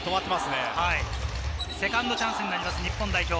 セカンドチャンスになります、日本代表。